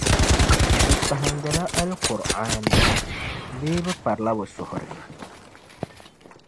Bɛ kpahindila Alkur’aani, bee bε kparila bε suhiri?